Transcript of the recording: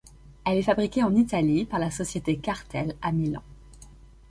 Elle est fabriquée en Italie par la société Kartell à Milan.